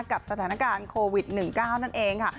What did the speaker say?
กับสถานการณ์โควิด๑๙นั่นเองค่ะ